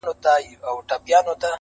زه خو یارانو نامعلوم آدرس ته ودرېدم ؛